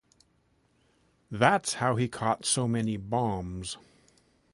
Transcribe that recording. That's how he caught so many bombs.